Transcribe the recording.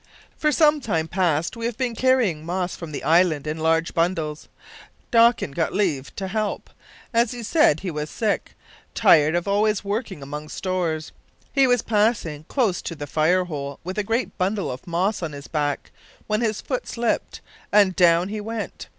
For some time past we have been carrying moss from the island in large bundles. Dawkins got leave to help, as he said he was sick tired of always working among stores. He was passing close to the fire hole with a great bundle of moss on his back, when his foot slipped, and down he went.